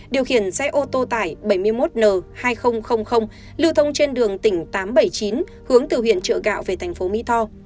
điều khiển xe ô tô tải bảy mươi một n hai nghìn lưu thông trên đường tỉnh tám trăm bảy mươi chín hướng từ huyện trợ gạo về thành phố mỹ tho